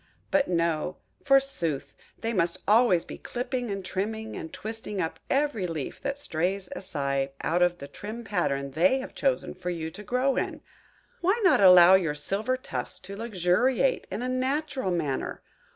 But no! forsooth, they must always be clipping, and trimming, and twisting up every leaf that strays aside out of the trim pattern they have chosen for you to grow in. Why not allow your silver tufts to luxuriate in a natural manner?